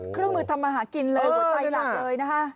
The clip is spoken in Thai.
เครื่องมือทำมาหากินเลยหัวใจหลักเลยนะคะ